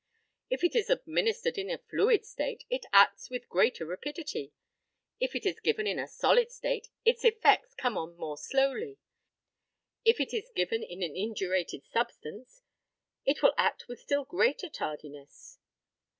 If it is administered in a fluid state, it acts with greater rapidity. If it is given in a solid state, its effects come on more slowly. If it is given in an indurated substance, it will act with still greater tardiness.